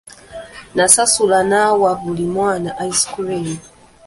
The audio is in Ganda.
Nasasula n'awa buli mwana ice cream.